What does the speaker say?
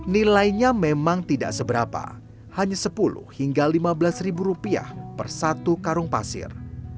nilainya memang tidak seberapa hanya sepuluh hingga lima belas ribu rupiah per satu karung pasir